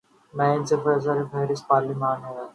ان میں سر فہرست پارلیمان ہے۔